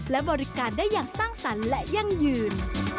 และบริการได้อย่างสร้างสรรค์และยั่งยืน